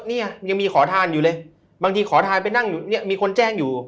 ก็เนี่ยยังมีขอทานอยู่เลยบางทีขอทานไปนั่งมีคนแจ้งอยู่